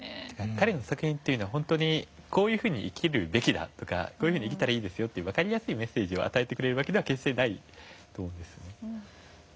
彼の作品は「こういうふうに生きるべきだ」とか「こういうふうに生きたらいいですよ」という分かりやすいメッセージを与えてくれるわけでは決してないと思います。